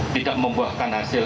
tidak membuahkan hasil